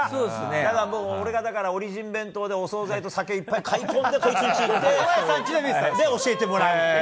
だからもう、俺がだから、オリジン弁当でお総菜と酒いっぱい買い込んで、こいつんち行って、で、教えてもらう。